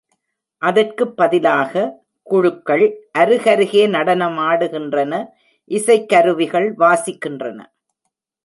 அதற்கு பதிலாக, குழுக்கள் அருகருகே நடனமாடுகின்றன, இசைக்கருவிகள் வாசிக்கின்றன.